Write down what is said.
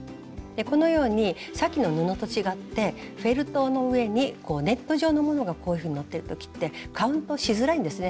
このようにさっきの布と違ってフェルトの上にネット状のものがこういうふうにのってる時ってカウントしづらいんですね。